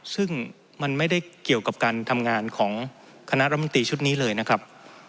ซึ่งมันไม่ได้เกี่ยวกับการทำงานของคณะรัฐมนตรีชุดนี้เลยนะครับ